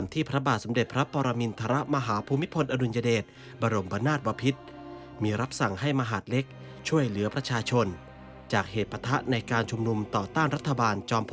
ติดตามจากรายงานค่ะ